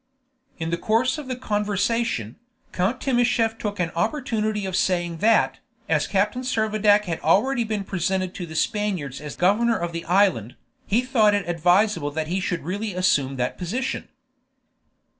In the course of the conversation, Count Timascheff took an opportunity of saying that, as Captain Servadac had already been presented to the Spaniards as governor of the island, he thought it advisable that he should really assume that position.